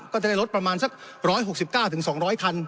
ก็จะได้ลดประมาณสัก๑๖๙๒๐๐คัน